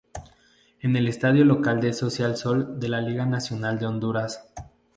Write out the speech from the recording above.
Es el estadio local del Social Sol de la Liga Nacional de Honduras.